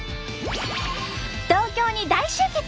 東京に大集結！